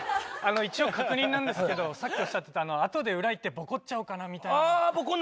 一応、確認なんですけど、さっきおっしゃってた、あとで裏行ってぼこっちゃおうかなみたいな。